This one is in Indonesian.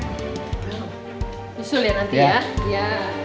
besok ya nanti yaa